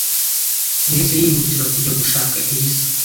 Yahise yihutira kujya gushaka Elisa